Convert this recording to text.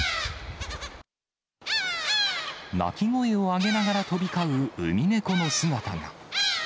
鳴き声を上げながら飛び交うウミネコの姿が。